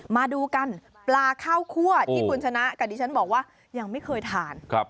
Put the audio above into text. มาดูกันปลาข้าวคั่วที่คุณชนะกับดิฉันบอกว่ายังไม่เคยทาน